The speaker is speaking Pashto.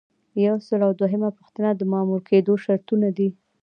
یو سل او دوهمه پوښتنه د مامور کیدو شرطونه دي.